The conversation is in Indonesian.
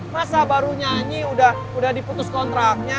masa baru nyanyi udah diputus kontraknya